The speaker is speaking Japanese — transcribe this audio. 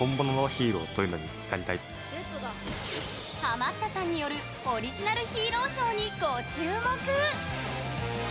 ハマったさんによるオリジナルヒーローショーにご注目。